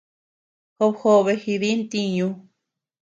Job jobe jidi ntiñu.